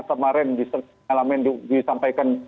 kemarin di di sampaikan